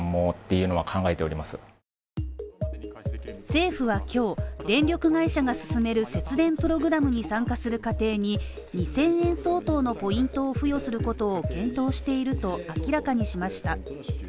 政府は今日、電力会社が進める節電プログラムに参加する家庭に２０００円相当のポイントを付与することを検討していると明らかにしました。